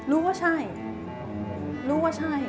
รู้ว่าใช่